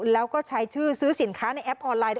แล้วก็ใช้ชื่อซื้อสินค้าในแอปออนไลน์